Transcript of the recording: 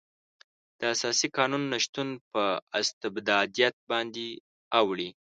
د اساسي قانون نشتون په استبدادیت باندې اوړي.